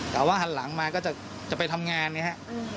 แต่ว่าหันหลังมาก็จะไปทำงานอย่างนี้ฮะ